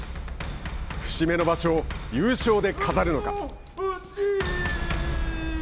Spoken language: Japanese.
節目の場所を優勝で飾るのか。